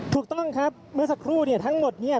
ถูกต้องครับเมื่อสักครู่เนี่ยทั้งหมดเนี่ย